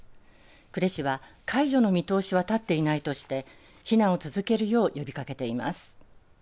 呉市は解除の見通しは立っていないとして避難を続けるよう呼びかけています。